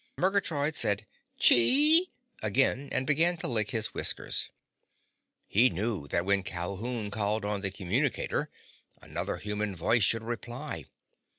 Murgatroyd said "Chee!" again and began to lick his whiskers. He knew that when Calhoun called on the communicator, another human voice should reply.